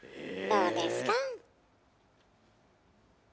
どうですか？